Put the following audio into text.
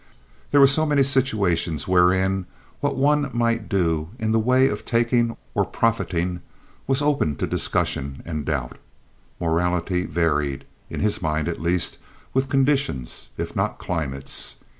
There were so many situations wherein what one might do in the way of taking or profiting was open to discussion and doubt. Morality varied, in his mind at least, with conditions, if not climates.